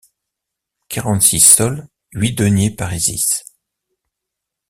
quarante-six sols huit deniers parisis.